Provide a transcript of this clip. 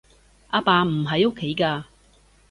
阿爸唔喺屋企㗎